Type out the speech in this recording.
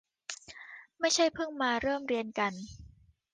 ไม่ใช่เพิ่งมาเริ่มเรียนกัน